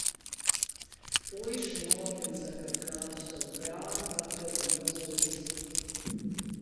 Puiši noorganizē kaut kādu savu "brāļu vakaru" un pazūd istabā.